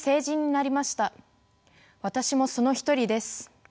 私もその一人です。